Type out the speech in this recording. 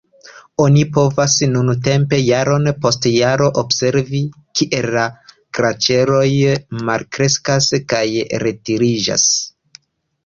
Oni povas nuntempe jaron post jaro observi, kiel la glaĉeroj malkreskas kaj retiriĝas.